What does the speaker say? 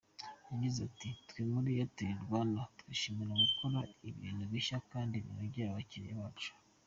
Yagize ati: “ Twe muri Airtel-Rwanda twishimira gukora ibintu bishya kandi binogeye abakiriya bacu.